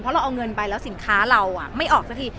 เราเอาเงินไปแล้วสินค้าเราไม่ออกสักที